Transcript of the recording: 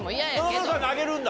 野々村さんがあげるんだ。